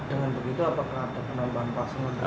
dengan begitu apakah ada penambahan pasangan